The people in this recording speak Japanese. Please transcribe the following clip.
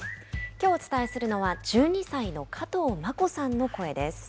きょうお伝えするのは、１２歳の加藤真心さんの声です。